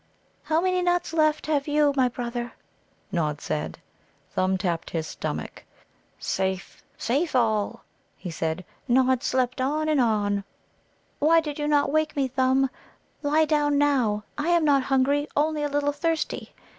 "How many nuts left have you, my brother?" Nod said. Thumb tapped his stomach. "Safe, safe all," he said. "Nod slept on and on." "Why did you not wake me, Thumb? Lie down now. I am not hungry, only a little thirsty.